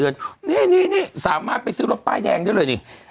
นี่สามารถไปซื้อรถป้ายแดงได้เลยนี่